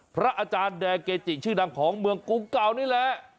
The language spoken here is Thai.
พระอาจารย์แดเกจิชื่อดังของเมืองกรุงเก่านี่แหละ